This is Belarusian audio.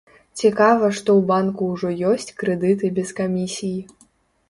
Цікава, што ў банку ўжо ёсць крэдыты без камісій.